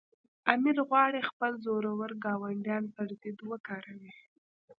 امیر غواړي خپل زورور ګاونډیان پر ضد وکاروي.